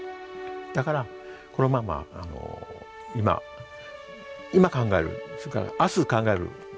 だからこのまま今今考えるそれから明日考えるかもしれない。